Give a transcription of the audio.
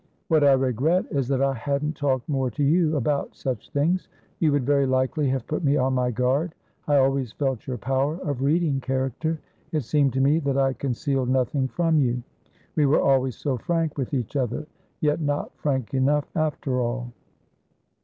What I regret is that I hadn't talked more to you about such things; you would very likely have put me on my guard. I always felt your power of reading character, it seemed to me that I concealed nothing from you. We were always so frank with each otheryet not frank enough, after all."